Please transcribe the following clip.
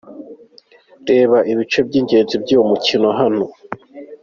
Reba ibice by'ingenzi by'uyu mukino hano:.